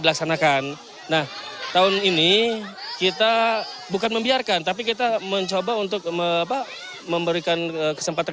dilaksanakan nah tahun ini kita bukan membiarkan tapi kita mencoba untuk memberikan kesempatan